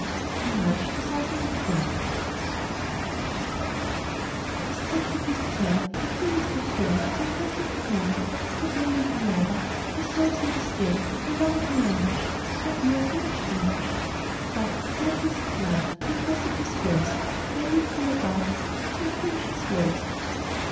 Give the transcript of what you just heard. William Walsh The Despairing Lover DISTRACTED with care, For Phillis the fair, Since nothing could move her, Poor Damon, her lover, Resolves in despair No longer to languish, Nor bear so much anguish; But, mad with his love, To a precipice goes; Where a leap from above Would soon finish his woes.